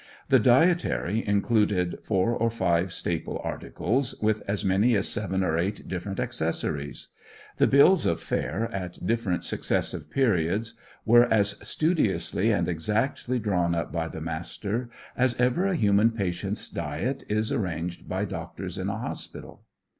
The dietary included four or five staple articles, with as many as seven or eight different accessories. The bills of fare at different successive periods were as studiously and exactly drawn up by the Master as ever a human patient's diet is arranged by doctors in a hospital.